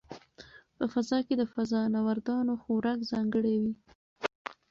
په فضا کې د فضانوردانو خوراک ځانګړی وي.